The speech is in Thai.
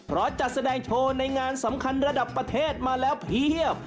เพราะจัดแสดงโชว์ในงานสำคัญระดับประเทศมาแล้วเพียบ